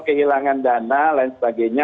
kehilangan dana lain sebagainya